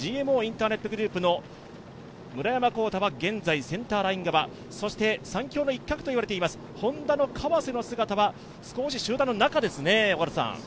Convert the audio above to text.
ＧＭＯインターネットグループの村山紘太は現在、センターライン側、そして３強の一角と言われていますＨｏｎｄａの川瀬の姿は少し集団の中ですね。